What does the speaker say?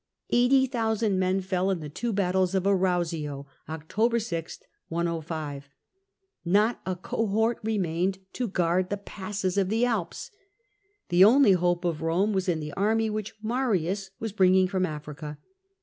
Eighty thousand men fell in the two battles of Arausio [Oct. 6, 105] : not a cohort remained to guard the passes of the Alps : the only hope of Rome was in the army which Marius was bringing home from Africa.